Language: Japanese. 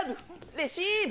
レシーブ！